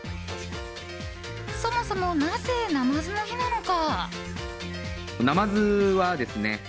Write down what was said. そもそも、なぜナマズの日なのか。